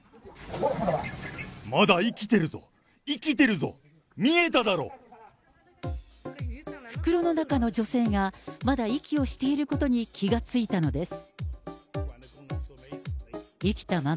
まだ生きてるぞ、生きてるぞ、袋の中の女性が、まだ息をしていることに気が付いたのです。